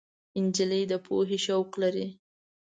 نجلۍ د پوهې شوق لري.